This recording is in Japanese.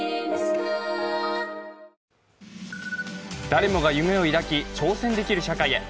誰もが夢を抱き、挑戦できる社会へ。